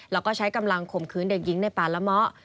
แล้วก็ใช้กำลังข่มขืนเด็กหญิงในป่าละเมาะ